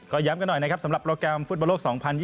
ก็ย้ำกันหน่อยนะครับสำหรับโปรแกรมฟุตบอลโลก๒๐๒๐